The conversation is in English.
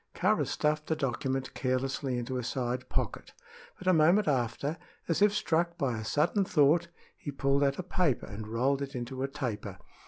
Kāra stuffed the document carelessly into a side pocket; but a moment after, as if struck by a sudden thought, he pulled out a paper and rolled it into a taper.